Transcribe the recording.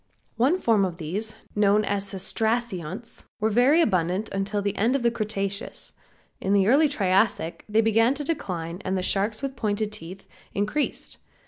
One form of these known as Cestracionts were very abundant till the end of the Cretaceous. In the early Triassic they began to decline and the sharks, with pointed teeth, increased.